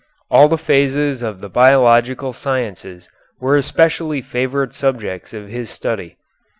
All the phases of the biological sciences were especially favorite subjects of his study.